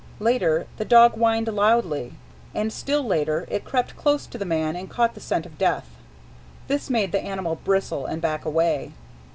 Later, the dog whined loudly. And still later it crept close to the man and caught the scent of death. This made the animal bristle and back away.